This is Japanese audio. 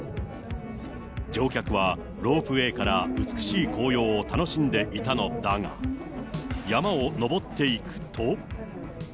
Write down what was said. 乗客はロープウエーから美しい紅葉を楽しんでいたのだが、山を登っていくと。